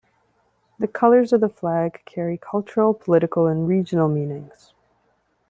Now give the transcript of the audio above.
The colours of the flag carry cultural, political, and regional meanings.